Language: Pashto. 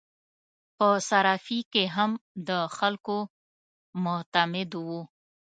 په صرافي کې هم د خلکو معتمد وو.